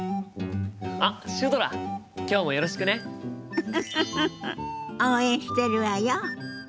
ウフフフフ応援してるわよ。